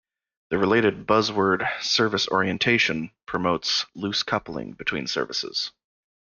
The related buzzword service-orientation promotes "loose coupling" between services.